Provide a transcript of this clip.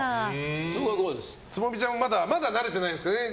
つぼみちゃんもまだ慣れてないんですかね。